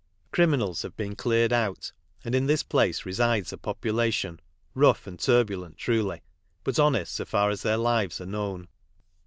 Criminals have been cleared out, and in this place resides a population, rough and tur bulent truly, but honest so far as their lives are known.